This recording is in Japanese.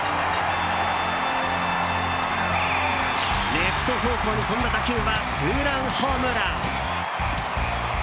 レフト方向に飛んだ打球はツーランホームラン。